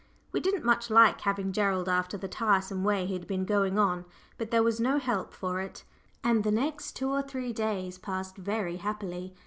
We didn't much like having Gerald after the tiresome way he had been going on, but there was no help for it. And the next two or three days passed very happily.